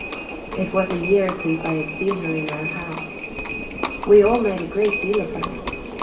It was a year since I had seen her in our house. We all made a great deal of her.